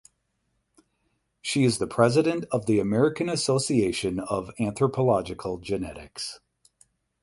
She is the President of the American Association of Anthropological Genetics.